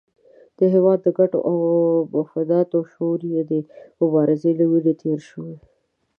د هېواد د ګټو او مفاداتو شعور یې د مبارزې له وینو تېر شوی.